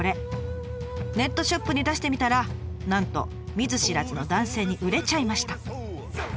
ネットショップに出してみたらなんと見ず知らずの男性に売れちゃいました。